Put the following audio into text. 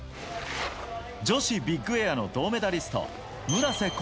女子ビッグエアの銅メダリスト村瀬